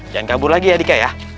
jangan kabur lagi ya dika ya